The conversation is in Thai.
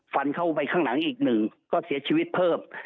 ฟันเข้าไปข้างหลังอีกหนึ่งก็เสียชีวิตเพิ่ม